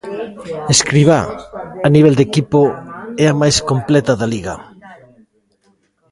Escribá: A nivel de equipo, é a máis completa da Liga.